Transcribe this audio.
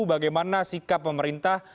bagaimana sikap pemerintah